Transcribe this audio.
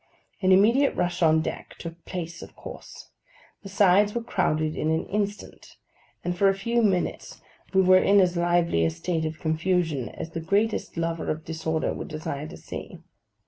An immediate rush on deck took place of course; the sides were crowded in an instant; and for a few minutes we were in as lively a state of confusion as the greatest lover of disorder would desire to see.